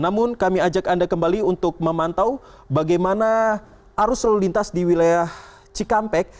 namun kami ajak anda kembali untuk memantau bagaimana arus lalu lintas di wilayah cikampek